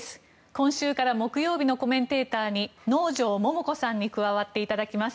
今週から木曜日のコメンテーターに能條桃子さんに加わっていただきます。